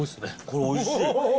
これおいしい。